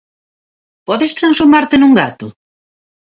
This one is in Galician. Podes transformarte nun gato?